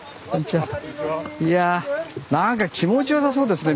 いやなんか気持ちよさそうですね